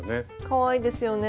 かわいいですよね。